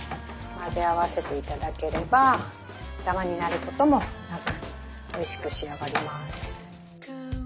混ぜ合わせて頂ければダマになることもなくおいしく仕上がります。